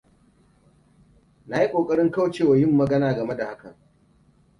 Na yi kokarin kauce wa yin magana game da hakan.